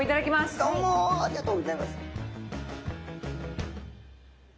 どうもありがとうギョざいます。